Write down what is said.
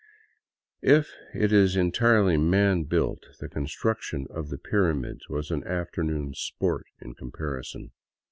If it is entirely man built, the con struction of the pyramids was an afternoon sport in comparison.